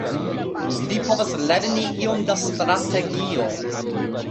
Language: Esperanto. Vi povas lerni iom da strategio.